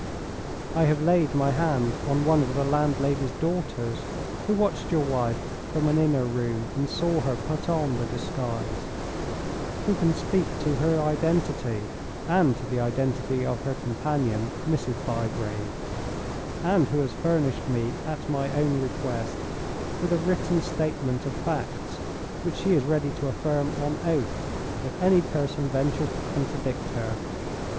I have laid my hand on one of the landlady's daughters, who watched your wife from an inner room, and saw her put on the disguise; who can speak to her identity, and to the identity of her companion, Mrs. Bygrave; and who has furnished me, at my own request, with a written statement of facts, which she is ready to affirm on oath if any person ventures to contradict her.